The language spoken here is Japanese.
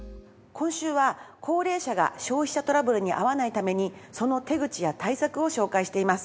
今週は高齢者が消費者トラブルに遭わないためにその手口や対策を紹介しています。